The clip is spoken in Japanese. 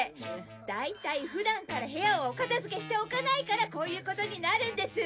大体普段から部屋をお片付けしておかないからこういうことになるんです！